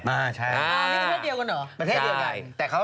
อ๋อนี่เป็นประเทศเดียวกันเหรอ